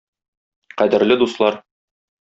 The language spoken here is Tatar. Кадерле дуслар!